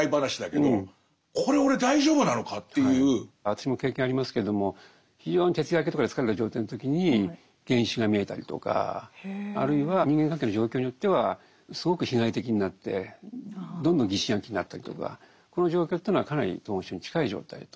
私も経験ありますけれども非常に徹夜明けとかで疲れた状態の時に幻視が見えたりとかあるいは人間関係の状況によってはすごく被害的になってどんどん疑心暗鬼になったりとかこの状況というのはかなり統合失調症に近い状態と。